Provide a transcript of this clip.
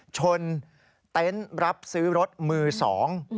เต็นต์รับซื้อรถมือสอง